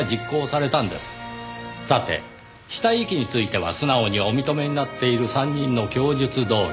さて死体遺棄については素直にお認めになっている３人の供述どおり。